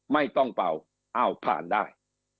ไม่ต้องเป่าอ้าวผ่านได้